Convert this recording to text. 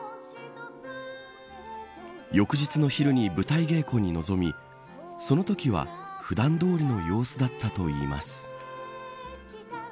翌日の昼に舞台稽古に臨みそのときは普段どおりの様子だったといいます。